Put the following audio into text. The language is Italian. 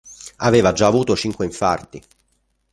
Aveva già avuto cinque infarti.